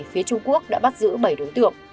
phía trung quốc đã bắt giữ bảy đối tượng